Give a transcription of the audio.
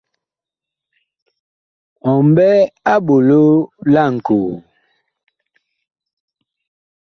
Ɔ mɓɛ la eɓolo laŋkoo ?